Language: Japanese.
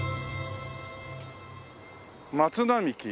「松並木